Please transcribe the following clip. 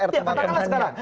ya katakanlah sekarang